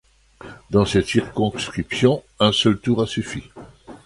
Dans cette circonscription, un seul tour a suffi.